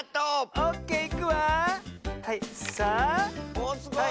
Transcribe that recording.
おっすごい。